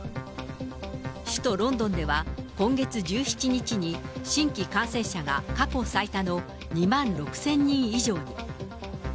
首都ロンドンでは、今月１７日に新規感染者が過去最多の２万６０００人以上に。